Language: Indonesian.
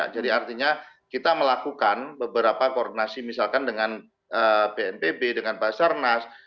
jadi artinya kita melakukan beberapa koordinasi misalkan dengan bnpb dengan pasar nas